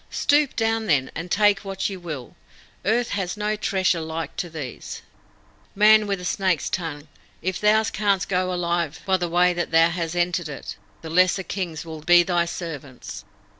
Stoop down, then, and take what ye will. Earth has no treasure like to these. Man with the snake's tongue, if thou canst go alive by the way that thou hast entered it, the lesser Kings will be thy servants!"